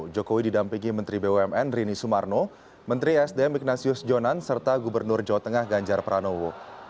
jokowi didampingi menteri bumn rini sumarno menteri sdm ignasius jonan serta gubernur jawa tengah ganjar pranowo